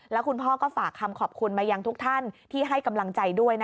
แล้วคุณพ่อก็ฝากคำขอบคุณมายังทุกท่านที่ให้กำลังใจด้วย